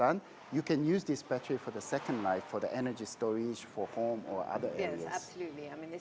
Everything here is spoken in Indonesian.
anda bisa menggunakan baterai ini untuk hidup kedua untuk penyimpanan energi untuk rumah atau bagian lain